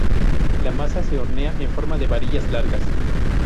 La masa se hornea en forma de varillas largas.